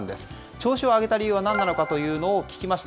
調子を上げた理由は何なのか聞きました。